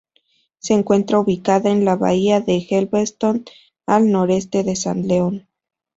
Se encuentra ubicada en la Bahía de Galveston, al noreste de San León.